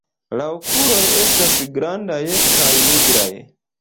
La okuloj estas grandaj kaj nigraj.